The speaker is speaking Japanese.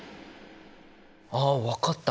あ分かった！